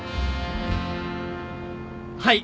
はい！